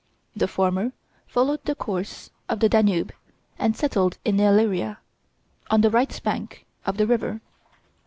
The former followed the course of the Danube and settled in Illyria, on the right bank of the river.